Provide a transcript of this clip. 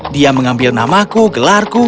dia mengambil namaku gelarku